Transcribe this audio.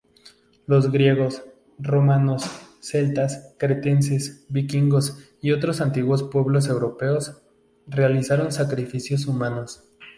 Los griegos, romanos, celtas, cretenses, vikingos y otros antiguos pueblos europeos, realizaron sacrificios humanos.